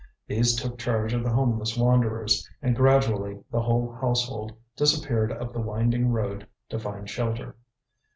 These took charge of the homeless wanderers, and gradually the whole household disappeared up the winding road to find shelter.